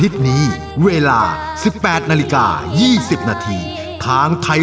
สวัสดีค่ะ